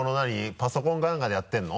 パソコンか何かでやってるの？